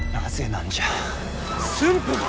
駿府が！？